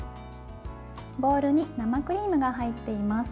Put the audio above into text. ボウルに生クリームが入っています。